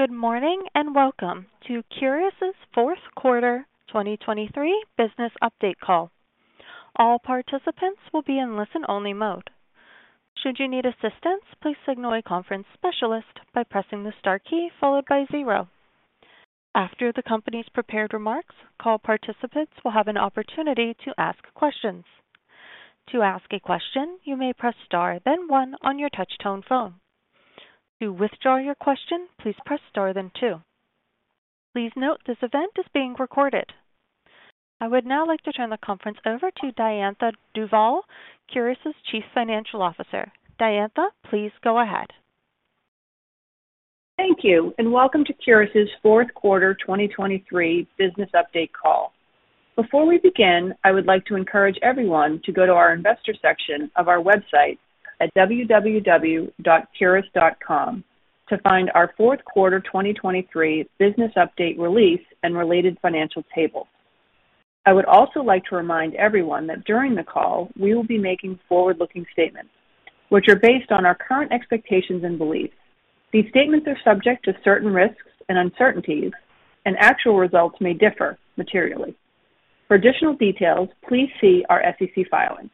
Good morning, and welcome to Curis's Q4 2023 business update call. All participants will be in listen-only mode. Should you need assistance, please signal a conference specialist by pressing the star key followed by zero. After the company's prepared remarks, call participants will have an opportunity to ask questions. To ask a question, you may press star then one on your touchtone phone. To withdraw your question, please press star then two. Please note, this event is being recorded. I would now like to turn the conference over to Diantha Duvall, Curis's Chief Financial Officer. Diantha, please go ahead. Thank you, and welcome to Curis's Q4 2023 business update call. Before we begin, I would like to encourage everyone to go to our investor section of our website at www.curis.com to find our Q4 2023 business update release and related financial tables. I would also like to remind everyone that during the call, we will be making forward-looking statements, which are based on our current expectations and beliefs. These statements are subject to certain risks and uncertainties, and actual results may differ materially. For additional details, please see our SEC filings.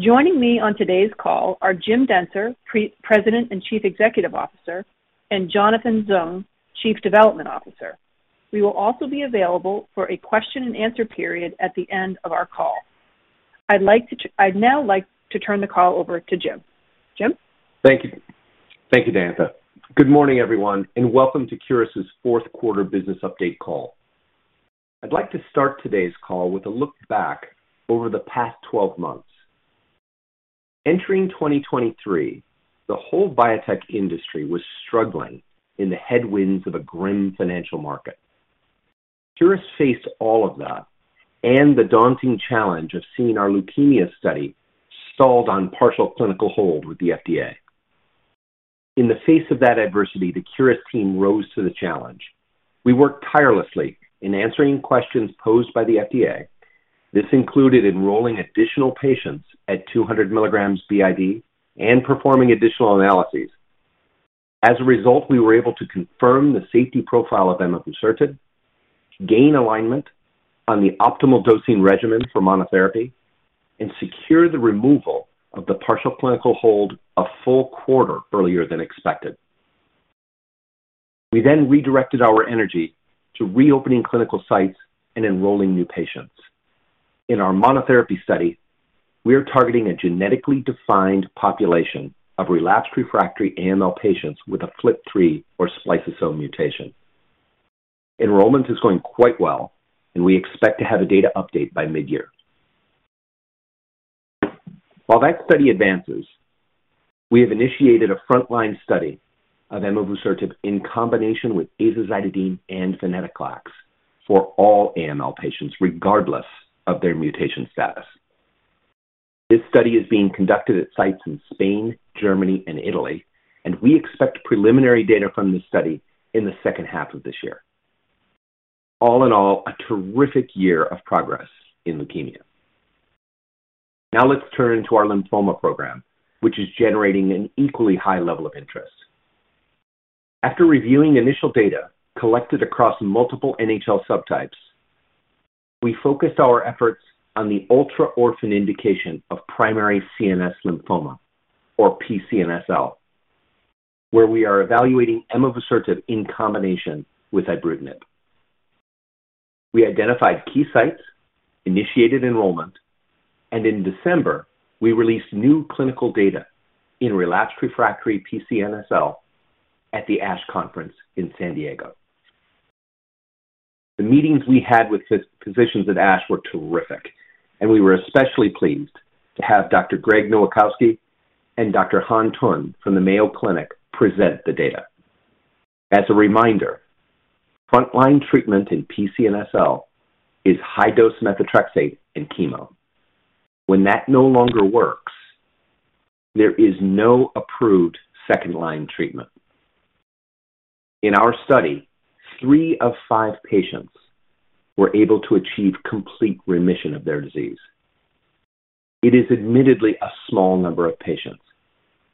Joining me on today's call are Jim Dentzer, President and Chief Executive Officer, and Jonathan Zung, Chief Development Officer. We will also be available for a question and answer period at the end of our call. I'd now like to turn the call over to Jim. Jim? Thank you. Thank you, Diantha. Good morning, everyone, and welcome to Curis's Q4 business update call. I'd like to start today's call with a look back over the past 12 months. Entering 2023, the whole biotech industry was struggling in the headwinds of a grim financial market. Curis faced all of that and the daunting challenge of seeing our leukemia study stalled on partial clinical hold with the FDA. In the face of that adversity, the Curis team rose to the challenge. We worked tirelessly in answering questions posed by the FDA. This included enrolling additional patients at 200 milligrams BID and performing additional analyses. As a result, we were able to confirm the safety profile of emavusertib, gain alignment on the optimal dosing regimen for monotherapy, and secure the removal of the partial clinical hold a full quarter earlier than expected. We then redirected our energy to reopening clinical sites and enrolling new patients. In our monotherapy study, we are targeting a genetically defined population of relapsed refractory AML patients with a FLT3 or spliceosome mutation. Enrollment is going quite well, and we expect to have a data update by midyear. While that study advances, we have initiated a frontline study of emavusertib in combination with azacitidine and venetoclax for all AML patients, regardless of their mutation status. This study is being conducted at sites in Spain, Germany, and Italy, and we expect preliminary data from this study in the second half of this year. All in all, a terrific year of progress in leukemia. Now let's turn to our lymphoma program, which is generating an equally high level of interest. After reviewing initial data collected across multiple NHL subtypes, we focused our efforts on the ultra-orphan indication of primary CNS lymphoma, or PCNSL, where we are evaluating emavusertib in combination with ibrutinib. We identified key sites, initiated enrollment, and in December, we released new clinical data in relapsed refractory PCNSL at the ASH conference in San Diego. The meetings we had with physicians at ASH were terrific, and we were especially pleased to have Dr. Grzegorz Nowakowski and Dr. Han Tun from the Mayo Clinic present the data. As a reminder, frontline treatment in PCNSL is high-dose methotrexate and chemo. When that no longer works, there is no approved second-line treatment. In our study, three of five patients were able to achieve complete remission of their disease. It is admittedly a small number of patients.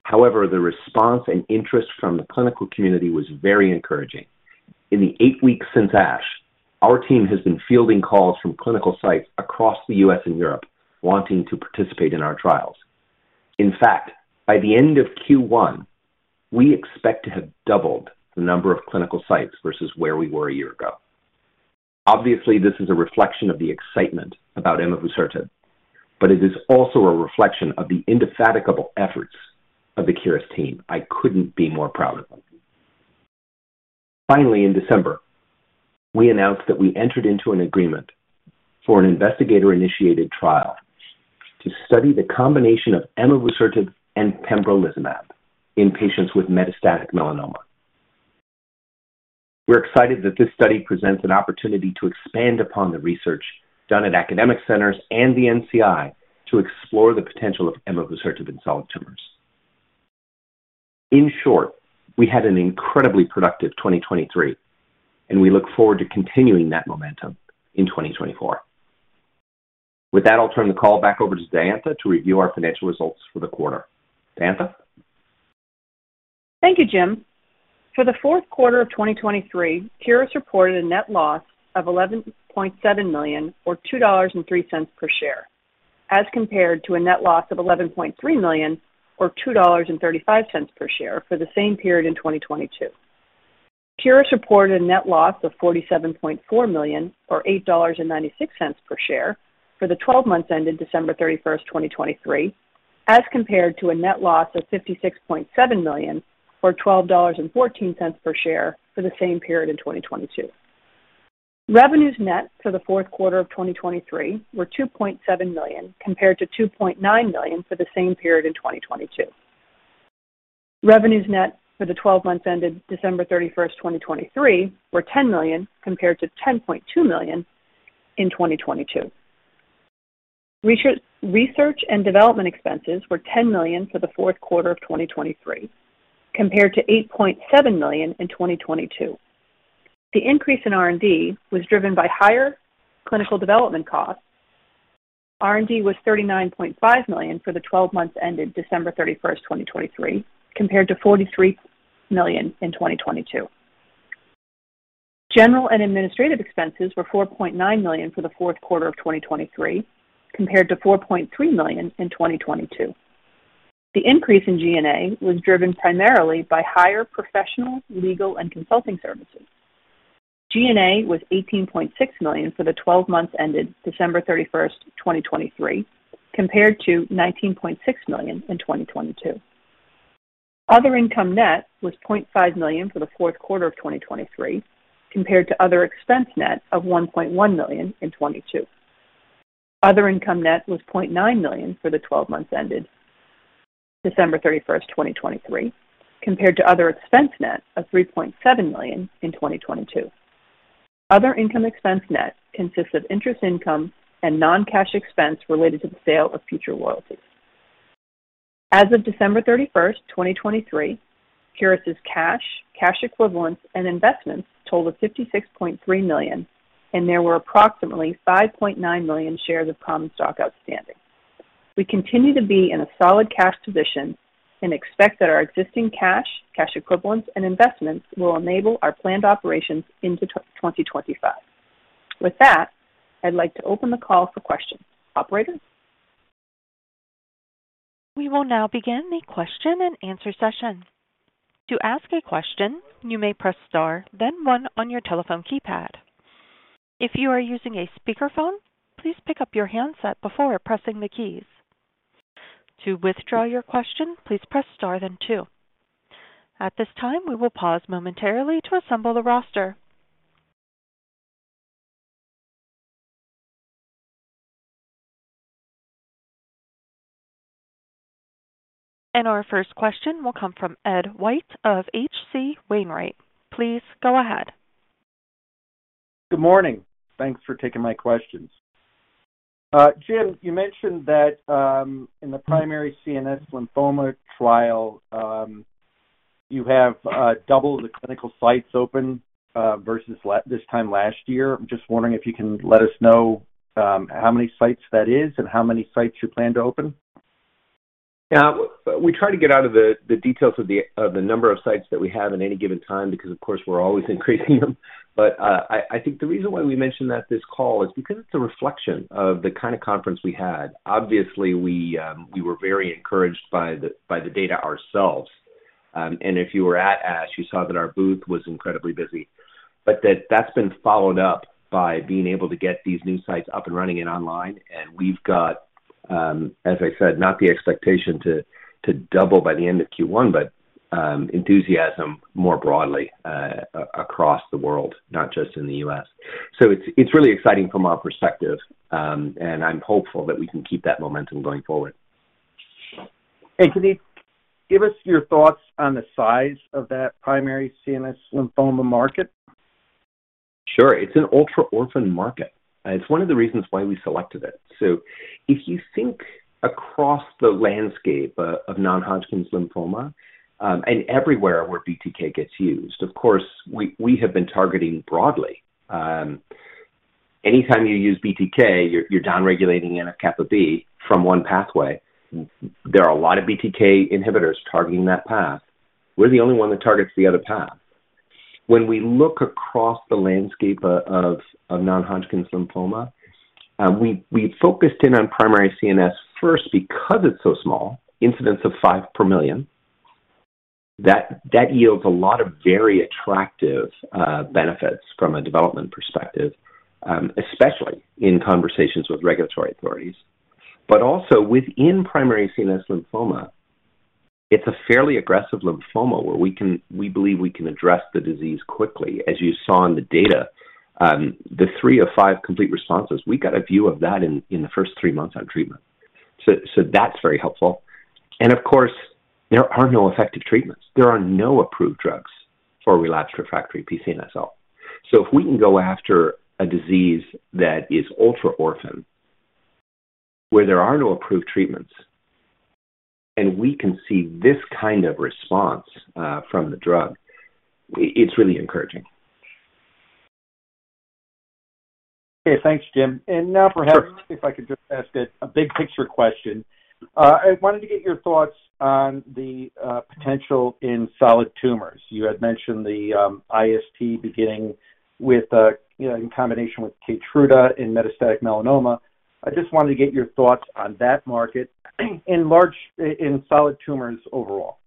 However, the response and interest from the clinical community was very encouraging. In the 8 weeks since ASH, our team has been fielding calls from clinical sites across the U.S. and Europe wanting to participate in our trials. In fact, by the end of Q1, we expect to have doubled the number of clinical sites versus where we were a year ago. Obviously, this is a reflection of the excitement about emavusertib, but it is also a reflection of the indefatigable efforts of the Curis team. I couldn't be more proud of them. Finally, in December, we announced that we entered into an agreement for an investigator-initiated trial to study the combination of emavusertib and pembrolizumab in patients with metastatic melanoma. We're excited that this study presents an opportunity to expand upon the research done at academic centers and the NCI to explore the potential of emavusertib in solid tumors. In short, we had an incredibly productive 2023, and we look forward to continuing that momentum in 2024.... With that, I'll turn the call back over to Diantha to review our financial results for the quarter. Diantha? Thank you, Jim. For the Q4 of 2023, Curis reported a net loss of $11.7 million, or $2.03 per share, as compared to a net loss of $11.3 million, or $2.35 per share, for the same period in 2022. Curis reported a net loss of $47.4 million, or $8.96 per share, for the twelve months ended December 31, 2023, as compared to a net loss of $56.7 million, or $12.14 per share, for the same period in 2022. Revenues net for the Q4 of 2023 were $2.7 million, compared to $2.9 million for the same period in 2022. Net revenues for the 12 months ended December 31, 2023, were $10 million, compared to $10.2 million in 2022. Research and development expenses were $10 million for the Q4 of 2023, compared to $8.7 million in 2022. The increase in R&D was driven by higher clinical development costs. R&D was $39.5 million for the 12 months ended December 31, 2023, compared to $43 million in 2022. General and administrative expenses were $4.9 million for the Q4 of 2023, compared to $4.3 million in 2022. The increase in G&A was driven primarily by higher professional, legal, and consulting services. G&A was $18.6 million for the 12 months ended December 31, 2023, compared to $19.6 million in 2022. Other income net was $0.5 million for the Q4 of 2023, compared to other expense net of $1.1 million in 2022. Other income net was $0.9 million for the 12 months ended December 31, 2023, compared to other expense net of $3.7 million in 2022. Other income expense net consists of interest income and non-cash expense related to the sale of future royalties. As of December 31, 2023, Curis's cash, cash equivalents and investments totaled $56.3 million, and there were approximately 5.9 million shares of common stock outstanding. We continue to be in a solid cash position and expect that our existing cash, cash equivalents, and investments will enable our planned operations into 2025. With that, I'd like to open the call for questions. Operator? We will now begin the question and answer session. To ask a question, you may press Star, then one on your telephone keypad. If you are using a speakerphone, please pick up your handset before pressing the keys. To withdraw your question, please press Star then two. At this time, we will pause momentarily to assemble the roster. Our first question will come from Ed White of H.C. Wainwright. Please go ahead. Good morning. Thanks for taking my questions. Jim, you mentioned that, in the primary CNS lymphoma trial, you have double the clinical sites open versus this time last year. I'm just wondering if you can let us know how many sites that is and how many sites you plan to open. Yeah, we try to get out of the details of the number of sites that we have in any given time, because, of course, we're always increasing them. But I think the reason why we mentioned that this call is because it's a reflection of the kind of conference we had. Obviously, we were very encouraged by the data ourselves. And if you were at ASH, you saw that our booth was incredibly busy. But that's been followed up by being able to get these new sites up and running and online, and we've got, as I said, not the expectation to double by the end of Q1, but enthusiasm more broadly across the world, not just in the US. So it's really exciting from our perspective, and I'm hopeful that we can keep that momentum going forward. Hey, can you give us your thoughts on the size of that primary CNS lymphoma market? Sure. It's an ultra-orphan market. It's one of the reasons why we selected it. So if you think across the landscape of non-Hodgkin's lymphoma, and everywhere where BTK gets used, of course, we have been targeting broadly. Anytime you use BTK, you're downregulating NF-κB from one pathway. There are a lot of BTK inhibitors targeting that path. We're the only one that targets the other path. When we look across the landscape of non-Hodgkin's lymphoma, we focused in on primary CNS first because it's so small, incidence of 5 per million. That yields a lot of very attractive benefits from a development perspective, especially in conversations with regulatory authorities. But also, within primary CNS lymphoma, it's a fairly aggressive lymphoma where we can, we believe, we can address the disease quickly. As you saw in the data, the 3 of 5 complete responses, we got a view of that in the first 3 months on treatment. So that's very helpful. And of course, there are no effective treatments. There are no approved drugs for relapsed refractory PCNSL. So if we can go after a disease that is ultra-orphan, where there are no approved treatments and we can see this kind of response from the drug, it's really encouraging. Okay, thanks, Jim. Sure. Now, if I could just ask a big picture question. I wanted to get your thoughts on the potential in solid tumors. You had mentioned the IST beginning with in combination with Keytruda in metastatic melanoma. I just wanted to get your thoughts on that market and large in solid tumors overall.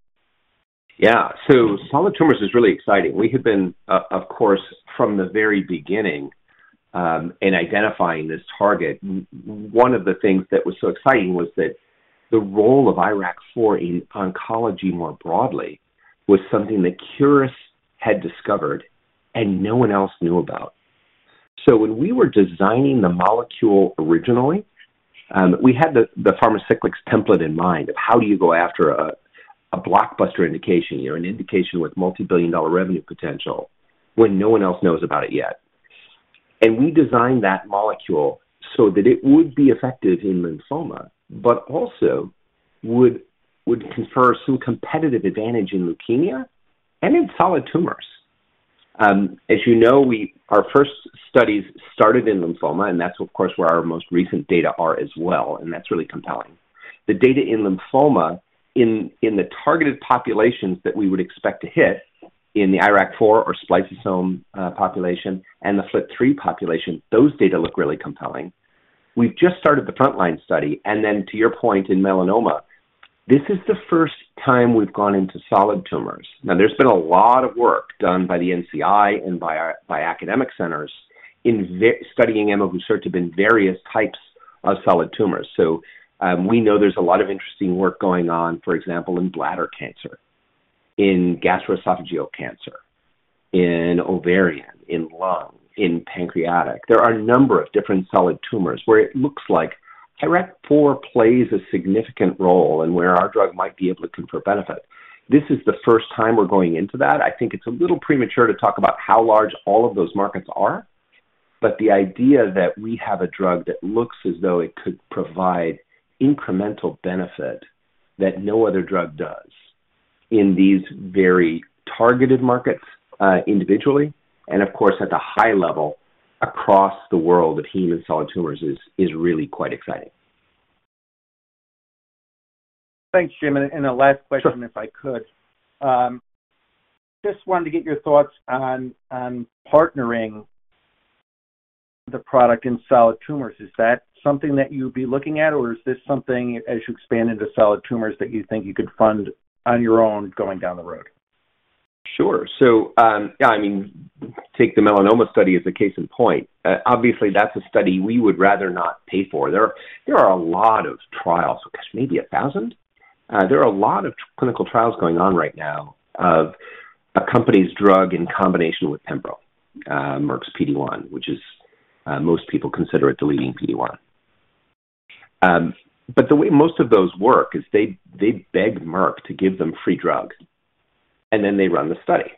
Yeah. So solid tumors is really exciting. We have been, of course, from the very beginning, in identifying this target. One of the things that was so exciting was that the role of IRAK4 in oncology, more broadly, was something that Curis had discovered and no one else knew about. So when we were designing the molecule originally, we had the Pharmacyclics template in mind of how do you go after a blockbuster indication, or an indication with multibillion-dollar revenue potential when no one else knows about it yet? And we designed that molecule so that it would be effective in lymphoma, but also would confer some competitive advantage in leukemia and in solid tumors. As you know, our first studies started in lymphoma, and that's of course, where our most recent data are as well, and that's really compelling. The data in lymphoma in the targeted populations that we would expect to hit in the IRAK4 or spliceosome population and the FLT3 population, those data look really compelling. We've just started the frontline study, and then to your point in melanoma, this is the first time we've gone into solid tumors. Now, there's been a lot of work done by the NCI and by academic centers studying emavusertib in various types of solid tumors. So, we know there's a lot of interesting work going on, for example, in bladder cancer, in gastroesophageal cancer, in ovarian, in lung, in pancreatic. There are a number of different solid tumors where it looks like IRAK4 plays a significant role in where our drug might be able to confer benefit. This is the first time we're going into that. I think it's a little premature to talk about how large all of those markets are, but the idea that we have a drug that looks as though it could provide incremental benefit that no other drug does in these very targeted markets, individually, and of course, at the high level across the world of human solid tumors, is, is really quite exciting. Thanks, Jim. And a last question- Sure. If I could. Just wanted to get your thoughts on partnering the product in solid tumors. Is that something that you'd be looking at, or is this something, as you expand into solid tumors, that you think you could fund on your own going down the road? Sure. So, yeah, I mean, take the melanoma study as a case in point. Obviously, that's a study we would rather not pay for. There are a lot of trials, gosh, maybe 1,000? There are a lot of clinical trials going on right now of a company's drug in combination with Pembro, Merck's PD-1, which is most people consider it the leading PD-1. But the way most of those work is they beg Merck to give them free drug, and then they run the study.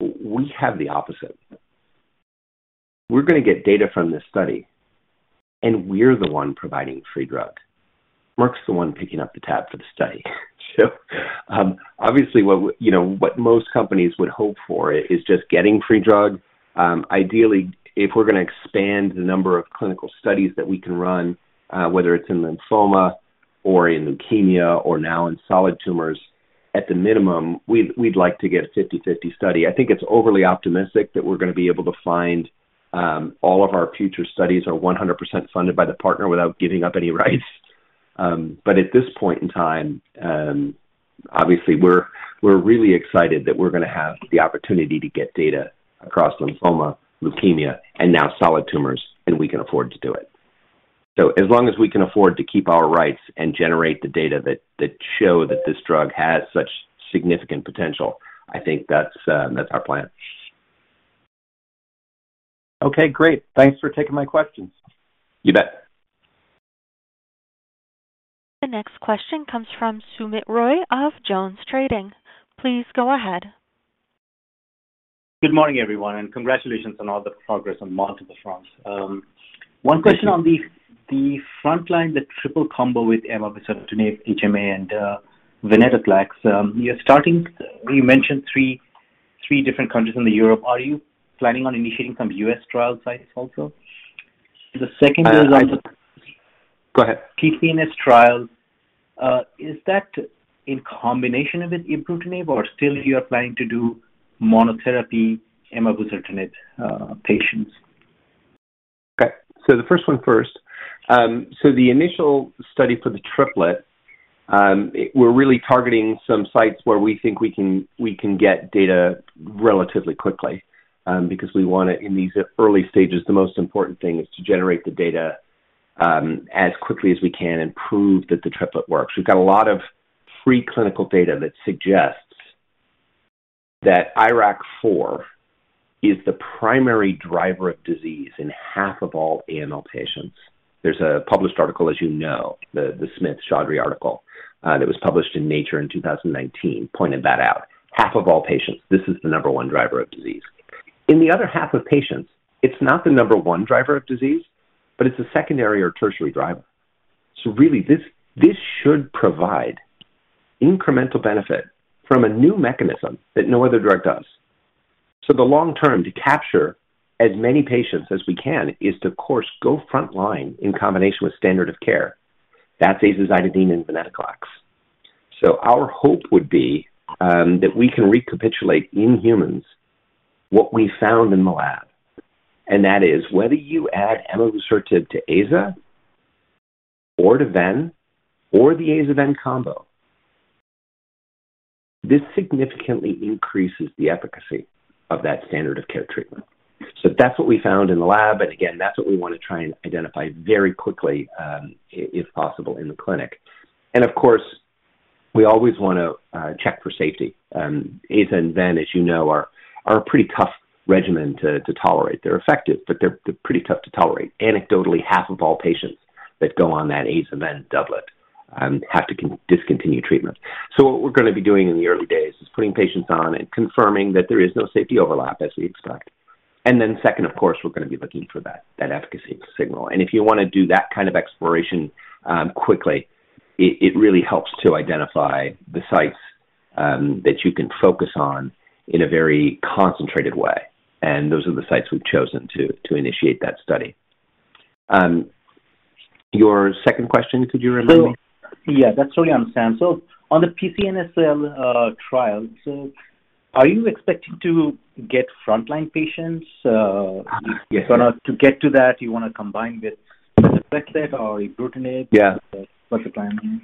We have the opposite. We're gonna get data from this study, and we're the one providing free drug. Merck's the one picking up the tab for the study. So, obviously, what you know, what most companies would hope for is just getting free drug. Ideally, if we're gonna expand the number of clinical studies that we can run, whether it's in lymphoma or in leukemia or now in solid tumors, at the minimum, we'd like to get a 50/50 study. I think it's overly optimistic that we're gonna be able to find all of our future studies are 100% funded by the partner without giving up any rights. But at this point in time, obviously, we're really excited that we're gonna have the opportunity to get data across lymphoma, leukemia, and now solid tumors, and we can afford to do it. So as long as we can afford to keep our rights and generate the data that show that this drug has such significant potential, I think that's our plan. Okay, great. Thanks for taking my questions. You bet. The next question comes from Soumit Roy of JonesTrading. Please go ahead. Good morning, everyone, and congratulations on all the progress on multiple fronts. One question on the frontline, the triple combo with emavusertib, HMA, and venetoclax. You're starting... You mentioned three different countries in Europe. Are you planning on initiating some U.S. trial sites also? The second is- Go ahead. PCNSL trials. Is that in combination with ibrutinib, or still you are planning to do monotherapy emavusertib patients? Okay, so the first one first. So the initial study for the triplet, we're really targeting some sites where we think we can get data relatively quickly. Because we want it in these early stages, the most important thing is to generate the data as quickly as we can and prove that the triplet works. We've got a lot of preclinical data that suggests that IRAK4 is the primary driver of disease in half of all AML patients. There's a published article, as you know, the Smith-Choudhary article that was published in Nature in 2019, pointed that out. Half of all patients, this is the number one driver of disease. In the other half of patients, it's not the number one driver of disease, but it's a secondary or tertiary driver. So really, this, this should provide incremental benefit from a new mechanism that no other drug does. So the long term, to capture as many patients as we can, is to, of course, go front line in combination with standard of care. That's azacitidine and venetoclax. So our hope would be, that we can recapitulate in humans what we found in the lab, and that is whether you add emavusertib to AZA or to VEN or the AZA/VEN combo, this significantly increases the efficacy of that standard of care treatment. So that's what we found in the lab, and again, that's what we want to try and identify very quickly, if possible in the clinic. And of course, we always want to, check for safety. AZA and VEN, as you know, are a pretty tough regimen to tolerate. They're effective, but they're, they're pretty tough to tolerate. Anecdotally, half of all patients that go on that AZA/VEN doublet have to discontinue treatment. So what we're going to be doing in the early days is putting patients on and confirming that there is no safety overlap, as we expect. And then second, of course, we're going to be looking for that, that efficacy signal. And if you want to do that kind of exploration quickly, it, it really helps to identify the sites that you can focus on in a very concentrated way, and those are the sites we've chosen to, to initiate that study. Your second question, could you remind me? So, yeah, that's totally understandable. So on the PCNSL trial, so are you expecting to get frontline patients? Yes. Or not to get to that, you want to combine with or ibrutinib? Yeah. What's the plan?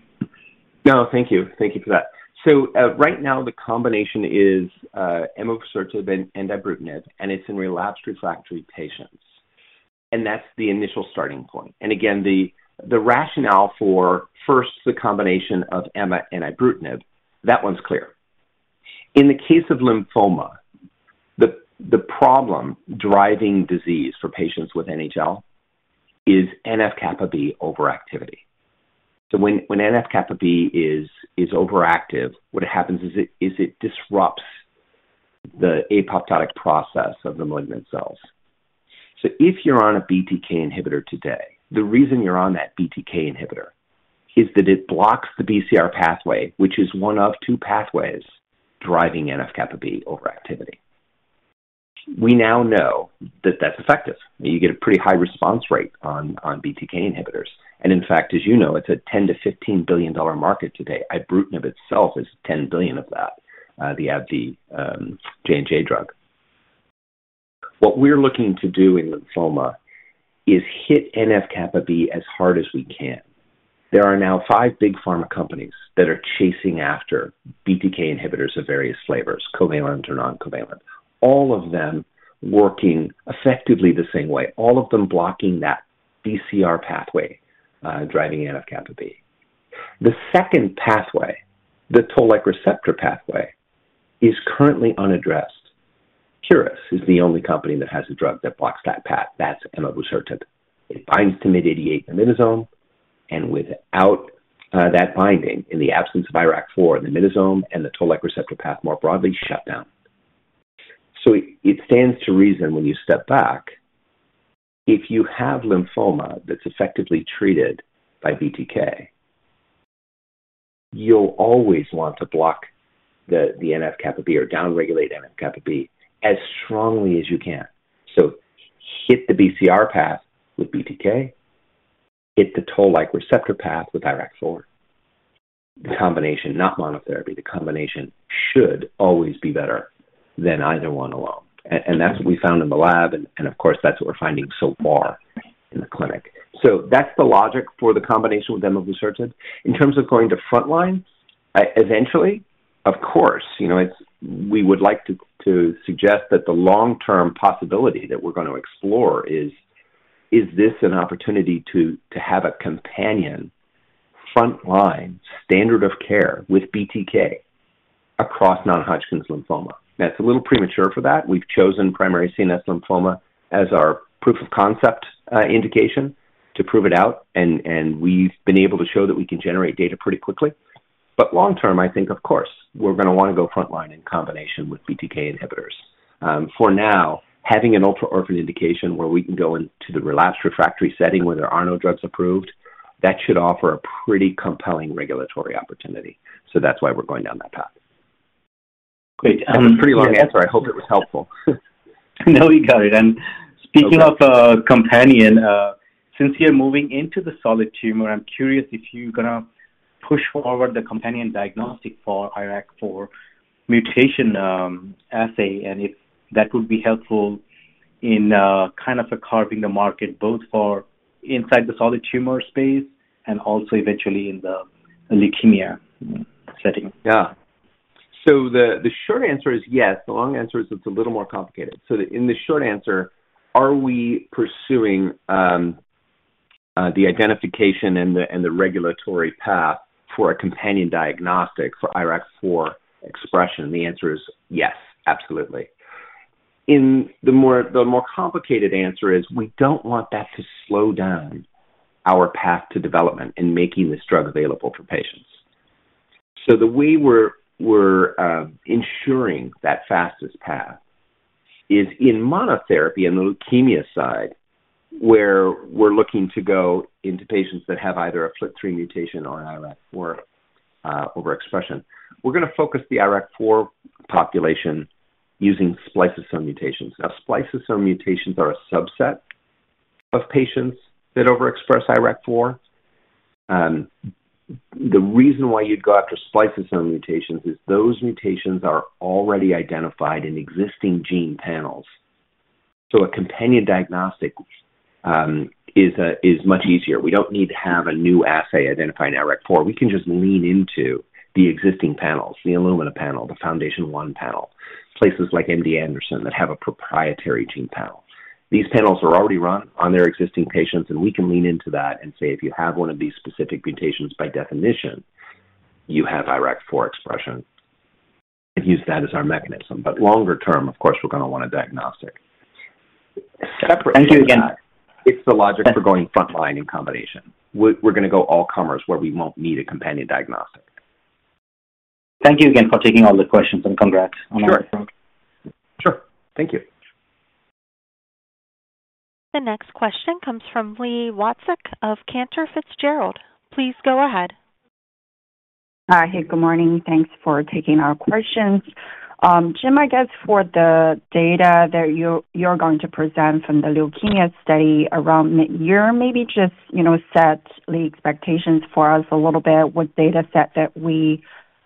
No, thank you. Thank you for that. So, right now, the combination is emavusertib and ibrutinib, and it's in relapsed refractory patients. And that's the initial starting point. And again, the rationale for first, the combination of ema and ibrutinib, that one's clear. In the case of lymphoma, the problem driving disease for patients with NHL is NF-κB overactivity. So when NF-κB is overactive, what happens is it disrupts the apoptotic process of the malignant cells. So if you're on a BTK inhibitor today, the reason you're on that BTK inhibitor is that it blocks the BCR pathway, which is one of two pathways driving NF-κB overactivity. We now know that that's effective. You get a pretty high response rate on BTK inhibitors, and in fact, as you know, it's a $10-$15 billion market today. Ibrutinib itself is $10 billion of that, the AbbVie, J&J drug. What we're looking to do in lymphoma is hit NF-κB as hard as we can. There are now 5 big pharma companies that are chasing after BTK inhibitors of various flavors, covalent or non-covalent, all of them working effectively the same way, all of them blocking that BCR pathway, driving NF-κB. The second pathway, the toll-like receptor pathway, is currently unaddressed. Curis is the only company that has a drug that blocks that path. That's emavusertib. It binds to MYD88 myddosome, and without that binding, in the absence of IRAK4, the myddosome and the toll-like receptor path more broadly shut down. So it stands to reason when you step back, if you have lymphoma that's effectively treated by BTK, you'll always want to block the NF-κB or downregulate NF-κB as strongly as you can. So hit the BCR path with BTK, hit the toll-like receptor path with IRAK4. The combination, not monotherapy, the combination should always be better than either one alone. And that's what we found in the lab, and of course, that's what we're finding so far in the clinic. So that's the logic for the combination with emavusertib. In terms of going to frontline, eventually, of course, you know, we would like to suggest that the long-term possibility that we're going to explore is this an opportunity to have a companion frontline standard of care with BTK across non-Hodgkin's lymphoma. Now, it's a little premature for that. We've chosen primary CNS lymphoma as our proof of concept, indication to prove it out, and, and we've been able to show that we can generate data pretty quickly. But long term, I think, of course, we're going to want to go frontline in combination with BTK inhibitors. For now, having an ultra-orphan indication where we can go into the relapsed refractory setting where there are no drugs approved, that should offer a pretty compelling regulatory opportunity. So that's why we're going down that path. Great. That was a pretty long answer. I hope it was helpful. No, you got it. Okay. Speaking of companion, since you're moving into the solid tumor, I'm curious if you're going to push forward the companion diagnostic for IRAK4 mutation assay, and if that would be helpful in kind of a carving the market both for inside the solid tumor space and also eventually in the leukemia setting. Yeah. So the short answer is yes. The long answer is it's a little more complicated. So in the short answer, are we pursuing the identification and the regulatory path for a companion diagnostic for IRAK4 expression? The answer is yes, absolutely. In the more complicated answer is we don't want that to slow down our path to development in making this drug available for patients. So the way we're ensuring that fastest path is in monotherapy, in the leukemia side, where we're looking to go into patients that have either a FLT3 mutation or an IRAK4 overexpression. We're gonna focus the IRAK4 population using spliceosome mutations. Now, spliceosome mutations are a subset of patients that overexpress IRAK4. The reason why you'd go after spliceosome mutations is those mutations are already identified in existing gene panels. So a companion diagnostic is much easier. We don't need to have a new assay identifying IRAK4. We can just lean into the existing panels, the Illumina panel, the FoundationOne panel, places like MD Anderson that have a proprietary gene panel. These panels are already run on their existing patients, and we can lean into that and say, "If you have one of these specific mutations, by definition, you have IRAK4 expression," and use that as our mechanism, but longer term, of course, we're gonna want a diagnostic. Separately- Thank you again. It's the logic for going frontline in combination. We're gonna go all comers, where we won't need a companion diagnostic. Thank you again for taking all the questions, and congrats- Sure. Sure. Thank you. The next question comes from Li Watsek of Cantor Fitzgerald. Please go ahead. Hey, good morning. Thanks for taking our questions. Jim, I guess for the data that you're going to present from the leukemia study around midyear, maybe just, you know, set the expectations for us a little bit, what data set that we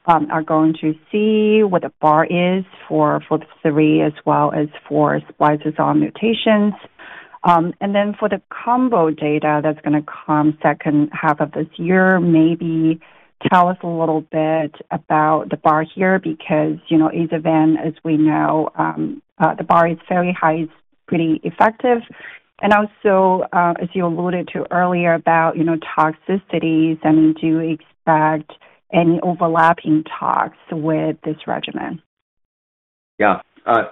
are going to see, what the bar is for FLT3, as well as for spliceosome mutations. And then for the combo data that's gonna come second half of this year, maybe tell us a little bit about the bar here, because, you know, AZA-VEN, as we know, the bar is fairly high. It's pretty effective. And also, as you alluded to earlier, about, you know, toxicities, I mean, do you expect any overlapping tox with this regimen? Yeah.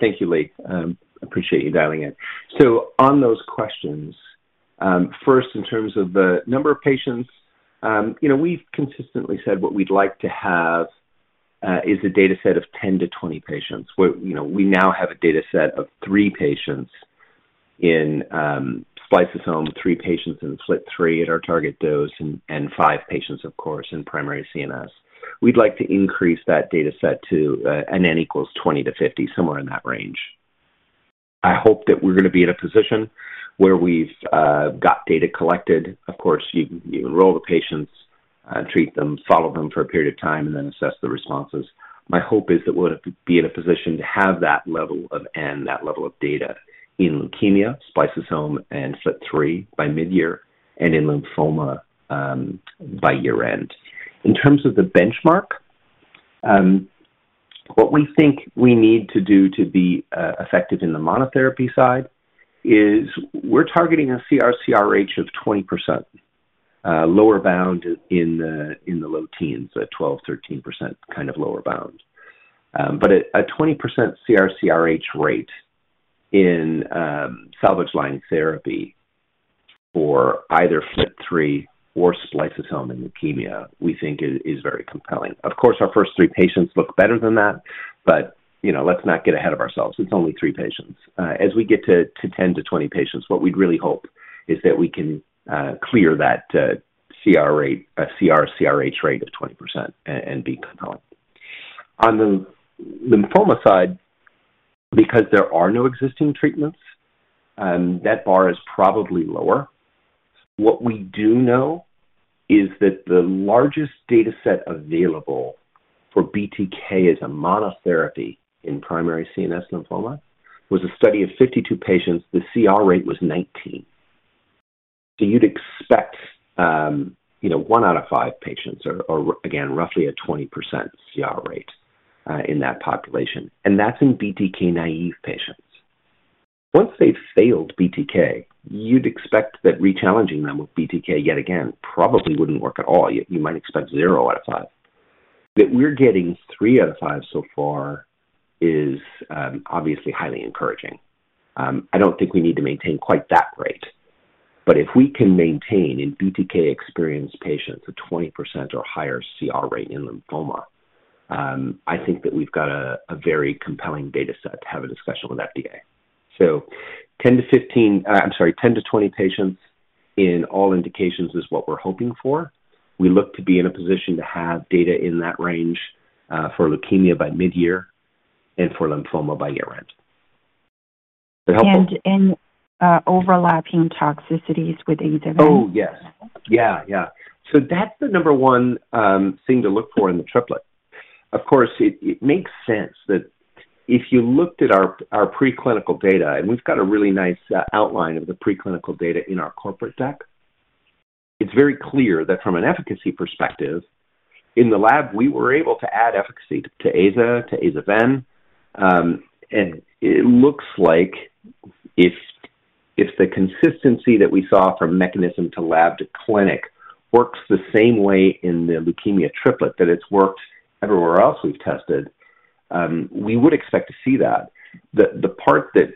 Thank you, Lee. Appreciate you dialing in. So on those questions, first, in terms of the number of patients, you know, we've consistently said what we'd like to have is a data set of 10-20 patients, where, you know, we now have a data set of 3 patients in spliceosome, 3 patients in FLT3 at our target dose, and 5 patients, of course, in primary CNS. We'd like to increase that data set to an n equals 20-50, somewhere in that range. I hope that we're gonna be in a position where we've got data collected. Of course, you enroll the patients, treat them, follow them for a period of time, and then assess the responses. My hope is that we'll be in a position to have that level of n, that level of data, in leukemia, spliceosome, and FLT3 by midyear, and in lymphoma, by year-end. In terms of the benchmark, what we think we need to do to be, effective in the monotherapy side is we're targeting a CR/CRh of 20%, lower bound in the, in the low teens, a 12, 13% kind of lower bound. But a, a 20% CR/CRh rate in, salvage line therapy for either FLT3 or spliceosome in leukemia, we think is, is very compelling. Of course, our first 3 patients look better than that, but, you know, let's not get ahead of ourselves. It's only 3 patients. As we get to 10-20 patients, what we'd really hope is that we can clear that CR/CRh rate of 20% and be compelling. On the lymphoma side, because there are no existing treatments, that bar is probably lower. What we do know is that the largest data set available for BTK as a monotherapy in primary CNS lymphoma was a study of 52 patients. The CR rate was 19. So you'd expect, you know, 1 out of 5 patients or again, roughly a 20% CR rate in that population, and that's in BTK-naive patients. Once they've failed BTK, you'd expect that rechallenging them with BTK yet again probably wouldn't work at all. You might expect 0 out of 5. That we're getting 3 out of 5 so far is obviously highly encouraging. I don't think we need to maintain quite that rate, but if we can maintain in BTK-experienced patients a 20% or higher CR rate in lymphoma, I think that we've got a very compelling data set to have a discussion with FDA. So 10 to 15, I'm sorry, 10-20 patients in all indications is what we're hoping for. We look to be in a position to have data in that range for leukemia by midyear and for lymphoma by year-end. Is that helpful? Overlapping toxicities with AZA-ven? Oh, yes. Yeah, yeah. So that's the number one thing to look for in the triplet. Of course, it makes sense that if you looked at our preclinical data, and we've got a really nice outline of the preclinical data in our corporate deck, it's very clear that from an efficacy perspective, in the lab, we were able to add efficacy to AZA to AZA-VEN. And it looks like if the consistency that we saw from mechanism to lab to clinic works the same way in the leukemia triplet that it's worked everywhere else we've tested, we would expect to see that. The part that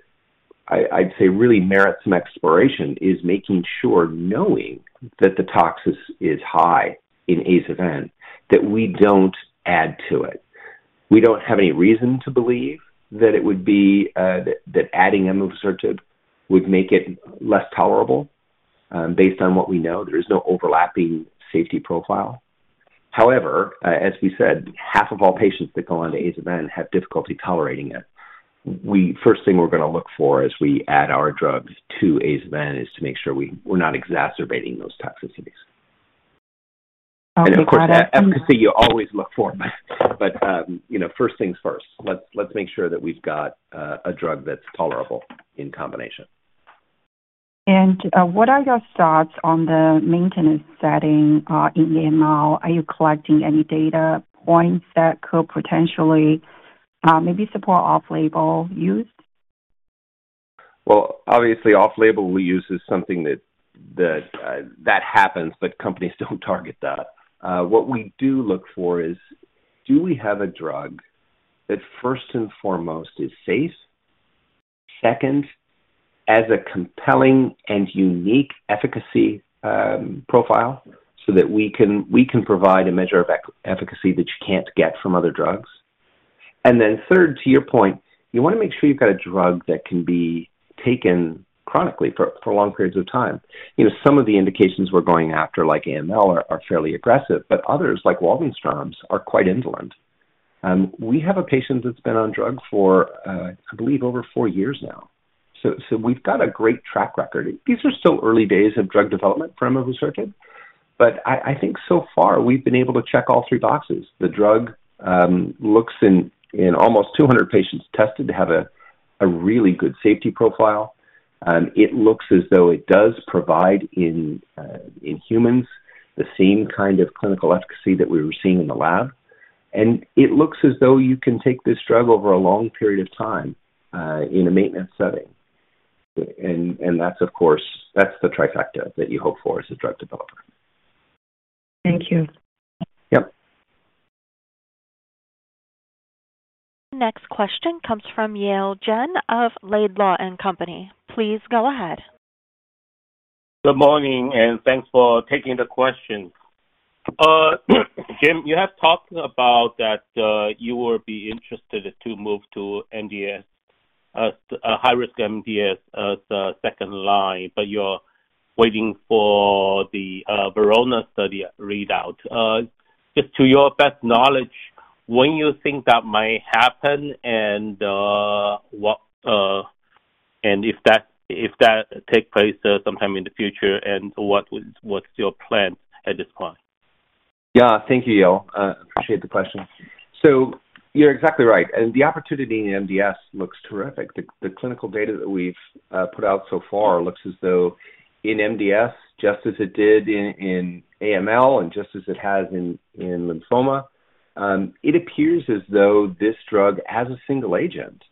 I’d say really merits some exploration is making sure, knowing that the tox is high in AZA-VEN, that we don't add to it. We don't have any reason to believe that it would be that adding emavusertib would make it less tolerable. Based on what we know, there is no overlapping safety profile. However, as we said, half of all patients that go on to AZA/VEN have difficulty tolerating it. First thing we're gonna look for as we add our drugs to AZA/VEN is to make sure we're not exacerbating those toxicities. Okay, got it. Of course, efficacy, you always look for. But, you know, first things first. Let's make sure that we've got a drug that's tolerable in combination. What are your thoughts on the maintenance setting in AML? Are you collecting any data points that could potentially maybe support off-label use? Well, obviously off-label we use is something that happens, but companies don't target that. What we do look for is, do we have a drug that first and foremost is safe? Second, has a compelling and unique efficacy profile so that we can provide a measure of efficacy that you can't get from other drugs. And then third, to your point, you wanna make sure you've got a drug that can be taken chronically for long periods of time. You know, some of the indications we're going after, like AML, are fairly aggressive, but others, like Waldenström's, are quite indolent. We have a patient that's been on drug for, I believe, over four years now. So we've got a great track record. These are still early days of drug development for emavusertib, but I think so far we've been able to check all three boxes. The drug looks in almost 200 patients tested to have a really good safety profile. It looks as though it does provide in humans the same kind of clinical efficacy that we were seeing in the lab. And it looks as though you can take this drug over a long period of time in a maintenance setting. And that's, of course, the trifecta that you hope for as a drug developer. Thank you. Yep. Next question comes from Yale Jen of Laidlaw & Company. Please go ahead. Good morning, and thanks for taking the question. Jim, you have talked about that, you will be interested to move to MDS, a high-risk MDS as second line, but you're waiting for the VORONAH study readout. Just to your best knowledge, when you think that might happen, and what, and if that, if that takes place, sometime in the future, and what is... what's your plan at this point? Yeah. Thank you, Yale. Appreciate the question. So you're exactly right, and the opportunity in MDS looks terrific. The clinical data that we've put out so far looks as though in MDS, just as it did in AML and just as it has in lymphoma, it appears as though this drug, as a single agent,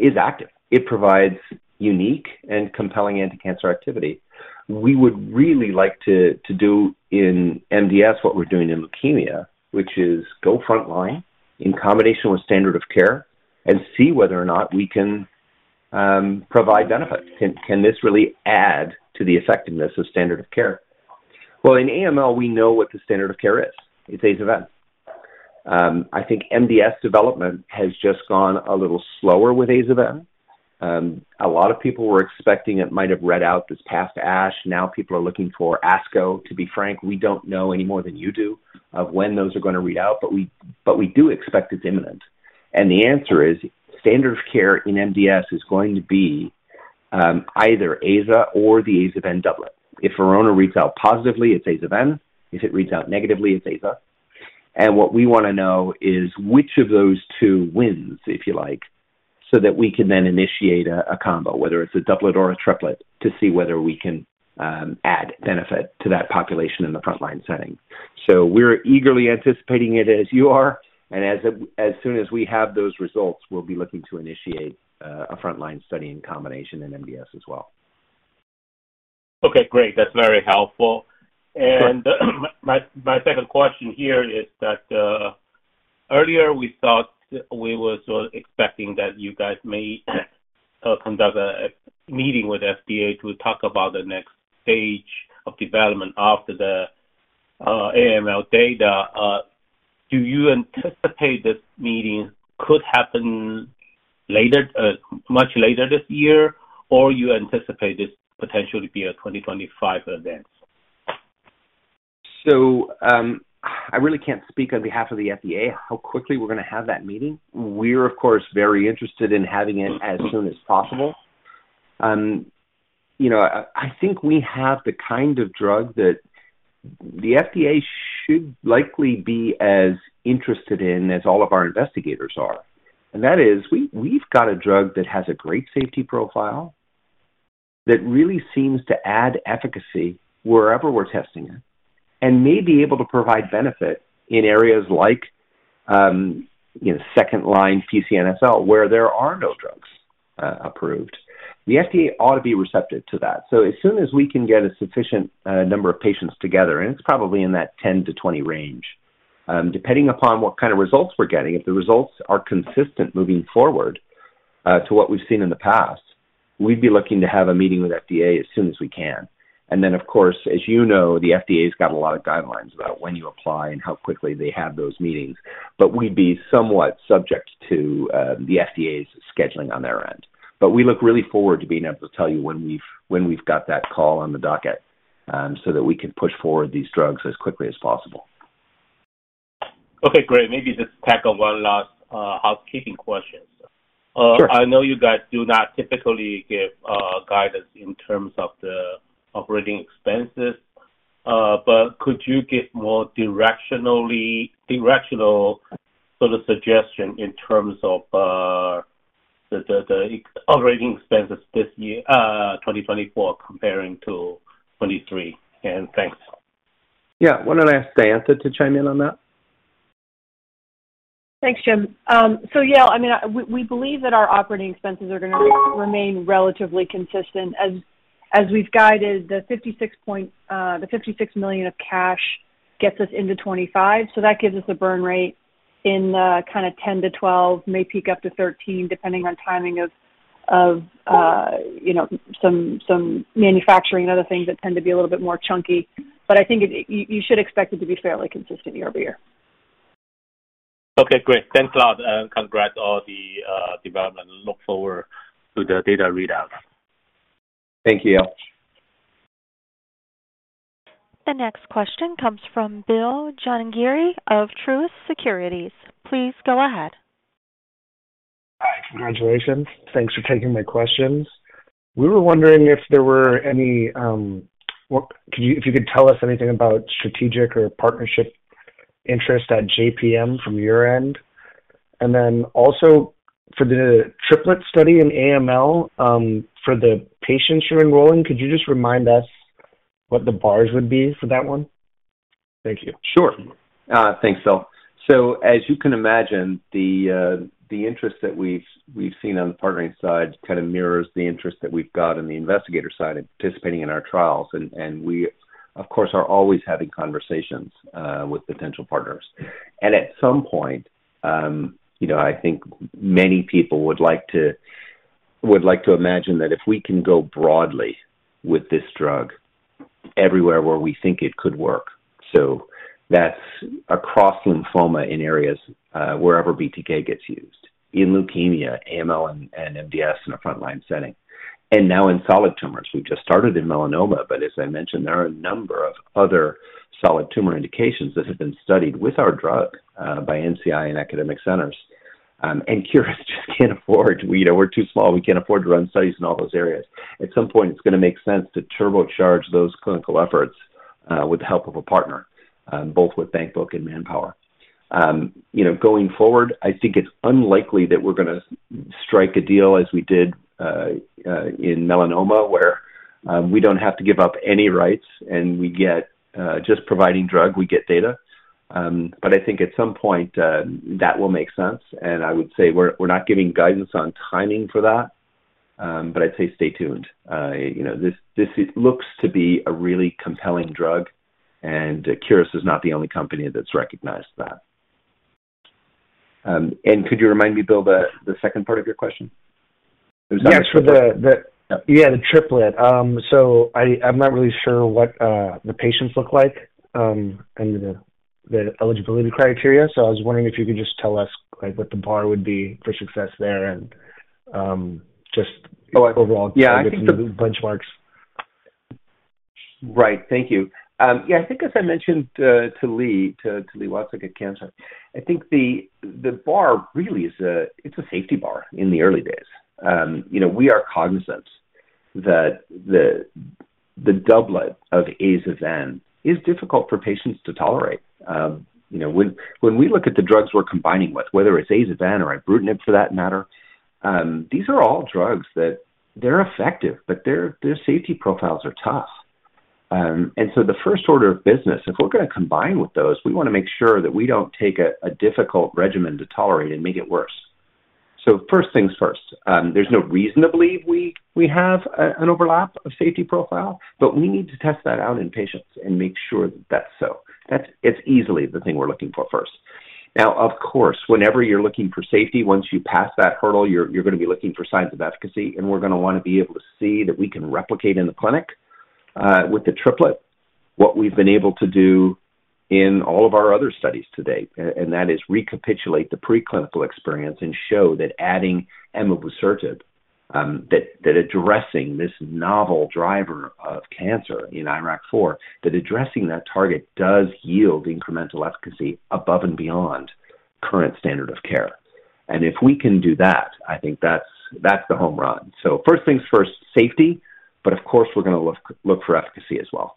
is active. It provides unique and compelling anticancer activity. We would really like to do in MDS what we're doing in leukemia, which is go front line in combination with standard of care and see whether or not we can provide benefit. Can this really add to the effectiveness of standard of care? Well, in AML, we know what the standard of care is. It's AZA/VEN. I think MDS development has just gone a little slower with AZA/VEN. A lot of people were expecting it might have read out this past ASH. Now people are looking for ASCO. To be frank, we don't know any more than you do of when those are gonna read out, but we, but we do expect it's imminent. And the answer is: standard of care in MDS is going to be, either AZA or the AZA/VEN doublet. If VORONAH reads out positively, it's AZA/VEN. If it reads out negatively, it's AZA. And what we wanna know is which of those two wins, if you like, so that we can then initiate a combo, whether it's a doublet or a triplet, to see whether we can add benefit to that population in the front-line setting. So we're eagerly anticipating it as you are, and as soon as we have those results, we'll be looking to initiate a frontline study in combination in MDS as well. Okay, great. That's very helpful. Sure. My, my second question here is that earlier, we thought we were sort of expecting that you guys may conduct a meeting with FDA to talk about the next stage of development after the AML data. Do you anticipate this meeting could happen later, much later this year, or you anticipate this potentially be a 2025 event? So, I really can't speak on behalf of the FDA, how quickly we're gonna have that meeting. We're of course very interested in having it as soon as possible. You know, I think we have the kind of drug that the FDA should likely be as interested in as all of our investigators are, and that is, we've got a drug that has a great safety profile, that really seems to add efficacy wherever we're testing it, and may be able to provide benefit in areas like, you know, second-line PCNSL, where there are no drugs approved. The FDA ought to be receptive to that. So as soon as we can get a sufficient number of patients together, and it's probably in that 10-20 range... Depending upon what kind of results we're getting, if the results are consistent moving forward to what we've seen in the past, we'd be looking to have a meeting with FDA as soon as we can. And then, of course, as you know, the FDA's got a lot of guidelines about when you apply and how quickly they have those meetings, but we'd be somewhat subject to the FDA's scheduling on their end. But we look really forward to being able to tell you when we've got that call on the docket, so that we can push forward these drugs as quickly as possible. Okay, great. Maybe just tackle one last housekeeping question. Sure. I know you guys do not typically give guidance in terms of the operating expenses, but could you give more directional sort of suggestion in terms of the operating expenses this year, 2024 comparing to 2023? And thanks. Yeah. Why don't I ask Diantha to chime in on that? Thanks, Jim. So, yeah, I mean, we believe that our operating expenses are gonna remain relatively consistent. As we've guided the $56 million of cash gets us into 2025, so that gives us a burn rate in the kind of $10 million-$12 million, may peak up to $13 million, depending on timing of, you know, some manufacturing and other things that tend to be a little bit more chunky. But I think it... You should expect it to be fairly consistent year over year. Okay, great. Thanks a lot, and congrats on the development. Look forward to the data readout. Thank you. The next question comes from Bill Giangiri of Truist Securities. Please go ahead. Hi, congratulations. Thanks for taking my questions. We were wondering if there were any. Could you tell us anything about strategic or partnership interest at JPM from your end? And then also for the triplet study in AML, for the patients you're enrolling, could you just remind us what the bars would be for that one? Thank you. Sure. Thanks, Bill. So as you can imagine, the interest that we've seen on the partnering side kind of mirrors the interest that we've got on the investigator side in participating in our trials. And we, of course, are always having conversations with potential partners. And at some point, you know, I think many people would like to imagine that if we can go broadly with this drug everywhere where we think it could work, so that's across lymphoma in areas wherever BTK gets used, in leukemia, AML and MDS in a frontline setting, and now in solid tumors. We've just started in melanoma, but as I mentioned, there are a number of other solid tumor indications that have been studied with our drug by NCI and academic centers. And Curis just can't afford, you know, we're too small. We can't afford to run studies in all those areas. At some point, it's gonna make sense to turbocharge those clinical efforts, with the help of a partner, both with bankbook and manpower. You know, going forward, I think it's unlikely that we're gonna strike a deal as we did, in melanoma, where, we don't have to give up any rights, and we get, just providing drug, we get data. But I think at some point, that will make sense, and I would say we're, we're not giving guidance on timing for that, but I'd say stay tuned. You know, this, this looks to be a really compelling drug, and Curis is not the only company that's recognized that. And could you remind me, Bill, the second part of your question? Yeah, sure. Yep. Yeah, the triplet. So I'm not really sure what the patients look like and the eligibility criteria. So I was wondering if you could just tell us, like, what the bar would be for success there and just overall- Yeah, I think the- benchmarks. Right. Thank you. Yeah, I think as I mentioned to Li Watsek at Cantor, I think the bar really is a, it's a safety bar in the early days. You know, we are cognizant that the doublet of azacitidine is difficult for patients to tolerate. You know, when we look at the drugs we're combining with, whether it's azacitidine or ibrutinib for that matter, these are all drugs that they're effective, but their safety profiles are tough. And so the first order of business, if we're gonna combine with those, we want to make sure that we don't take a difficult regimen to tolerate and make it worse. So first things first, there's no reason to believe we have an overlap of safety profile, but we need to test that out in patients and make sure that's so. It's easily the thing we're looking for first. Now, of course, whenever you're looking for safety, once you pass that hurdle, you're gonna be looking for signs of efficacy, and we're gonna want to be able to see that we can replicate in the clinic, with the triplet, what we've been able to do in all of our other studies to date, and that is recapitulate the preclinical experience and show that adding emavusertib, that addressing this novel driver of cancer in IRAK4, that addressing that target does yield incremental efficacy above and beyond current standard of care. And if we can do that, I think that's the home run. First things first, safety, but of course, we're gonna look for efficacy as well.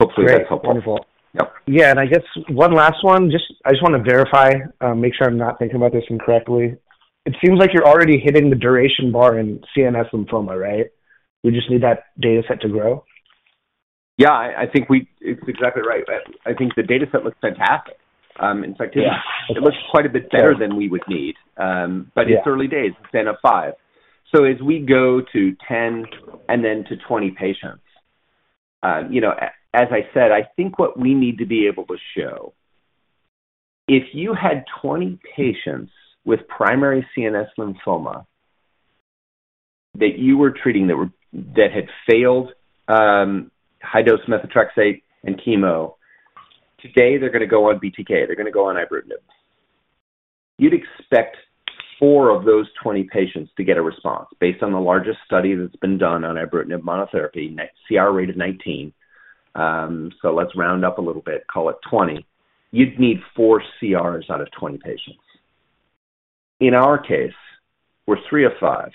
Hopefully, that's helpful. Wonderful. Yep. Yeah, and I guess one last one. Just... I just want to verify, make sure I'm not thinking about this incorrectly. It seems like you're already hitting the duration bar in CNS lymphoma, right? We just need that data set to grow. Yeah, I think it's exactly right. I think the dataset looks fantastic, in fact- Yeah. It looks quite a bit better than we would need. But- Yeah... it's early days, 3 of 5. So as we go to 10 and then to 20 patients, you know, as I said, I think what we need to be able to show, if you had 20 patients with primary CNS lymphoma that you were treating, that had failed high-dose methotrexate and chemo, today, they're gonna go on BTK, they're gonna go on ibrutinib. You'd expect 4 of those 20 patients to get a response based on the largest study that's been done on ibrutinib monotherapy, CR rate of 19. So let's round up a little bit, call it 20. You'd need 4 CRs out of 20 patients. In our case, we're 3 of 5.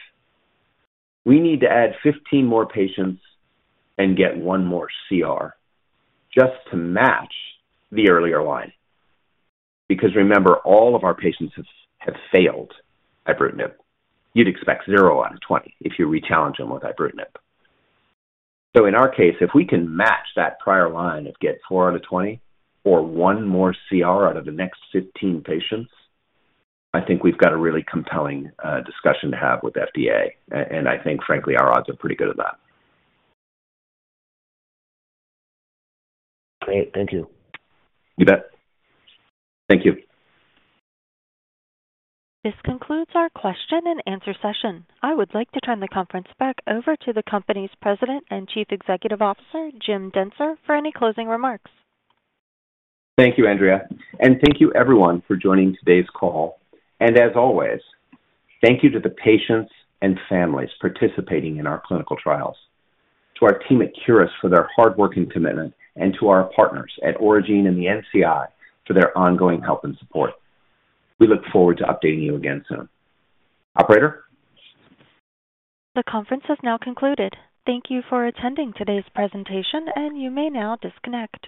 We need to add 15 more patients and get one more CR just to match the earlier line. Because remember, all of our patients have failed ibrutinib. You'd expect 0 out of 20 if you rechallenge them with ibrutinib. So in our case, if we can match that prior line of get 4 out of 20 or 1 more CR out of the next 15 patients, I think we've got a really compelling discussion to have with FDA, and I think, frankly, our odds are pretty good at that. Great. Thank you. You bet. Thank you. This concludes our question and answer session. I would like to turn the conference back over to the company's President and Chief Executive Officer, Jim Dentzer, for any closing remarks. Thank you, Andrea, and thank you everyone for joining today's call. And as always, thank you to the patients and families participating in our clinical trials, to our team at Curis for their hard work and commitment, and to our partners at Aurigene and the NCI for their ongoing help and support. We look forward to updating you again soon. Operator? The conference has now concluded. Thank you for attending today's presentation, and you may now disconnect.